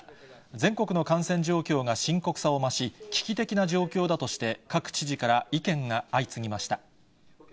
全国の感染状況が深刻さを増し、危機的な状況だとして、各知事から意見が相次ぎました。